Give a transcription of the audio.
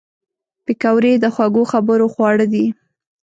پکورې د خوږو خبرو خواړه دي